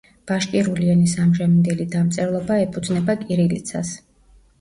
ბაშკირული ენის ამჟამინდელი დამწერლობა ეფუძნება კირილიცას.